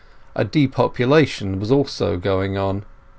A depopulation was also going on.